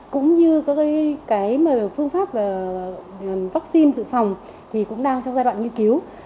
cũng như các phương pháp vaccine dự phòng thì cũng đang trong giai đoạn nghiên cứu